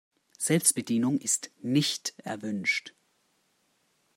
Selbstbedienung ist nicht erwünscht.